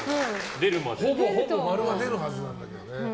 ほぼほぼ○が出るはずなんだけどね。